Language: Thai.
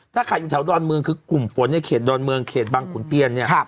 ถ้าขายอยู่แถวดอนเมืองคือกลุ่มฝนในเขตดอนเมืองเขตบังขุนเทียนเนี่ย